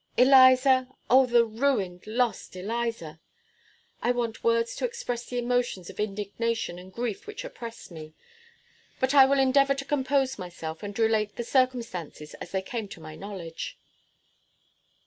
Eliza O, the ruined, lost Eliza! I want words to express the emotions of indignation and grief which oppress me. But I will endeavor to compose myself, and relate the circumstances as they came to my knowledge.